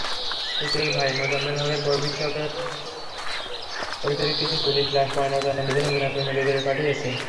পুতুলের ভাই মোজাম্মেল হকের অভিযোগের পরিপ্রেক্ষিতে পুলিশ লাশ ময়নাতদন্তের জন্য দিনাজপুর মেডিকেলে পাঠিয়েছে।